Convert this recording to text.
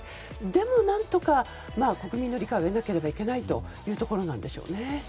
でも、何とか国民の理解を得なくてはいけないというところなんでしょう。